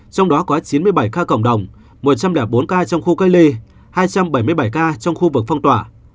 trong đó có chín mươi bảy ca cộng đồng một trăm linh bốn ca trong khu cách ly hai trăm bảy mươi bảy ca trong khu vực phong tỏa